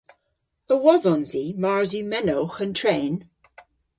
A wodhons i mars yw menowgh an tren?